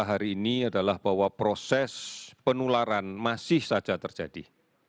hari ini adalah bahwa proses penularan masih saja terjadi